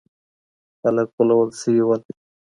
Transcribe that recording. خلګ غولول سوي وو.